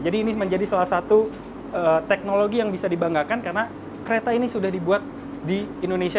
jadi ini menjadi salah satu teknologi yang bisa dibanggakan karena kereta ini sudah dibuat di indonesia